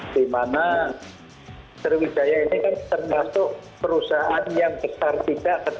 di mana sriwijaya ini kan termasuk perusahaan yang besar tidak